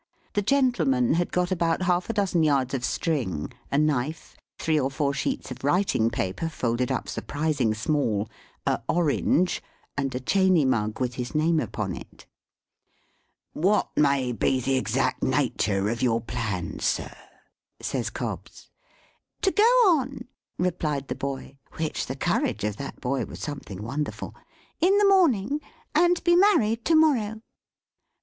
The gentleman had got about half a dozen yards of string, a knife, three or four sheets of writing paper folded up surprising small, a orange, and a Chaney mug with his name upon it. "What may be the exact natur of your plans, sir?" says Cobbs. "To go on," replied the boy, which the courage of that boy was something wonderful! "in the morning, and be married to morrow."